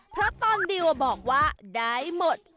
เพราะตอนดิวบอกว่าได้หมด